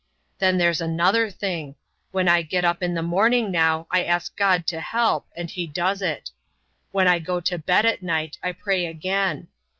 Then there's another thing! When I get up in the morning now, I ask God to help, and He does it. When I go to bed at night, I pray again.